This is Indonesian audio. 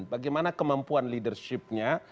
bagaimana kemampuan leadershipnya